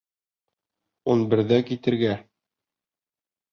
Ун берҙә китергә.